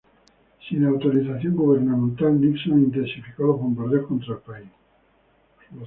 Sin autorización gubernamental, Nixon intensificó los bombardeos contra el país.